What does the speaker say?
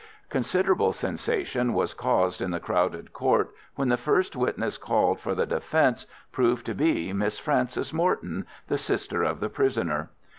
Considerable sensation was caused in the crowded court when the first witness called for the defence proved to be Miss Frances Morton, the sister of the prisoner.